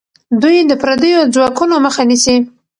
دوی د پردیو ځواکونو مخه نیسي.